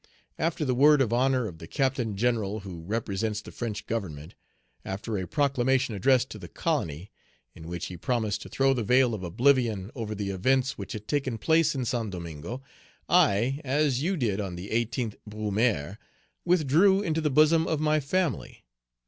After the word of honor of the Captain General who represents the French Government, after a proclamation addressed to the colony, in which he promised to throw the veil of oblivion over the events which had taken place in Saint Domingo, I, as you did on the 18th Brumaire, withdrew into the bosom of my family.